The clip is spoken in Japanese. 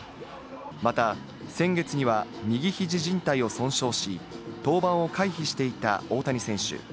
また先月には右肘じん帯を損傷し、登板を回避していた大谷選手。